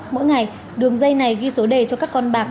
mỗi ngày đường dây này ghi số đề cho các con bạc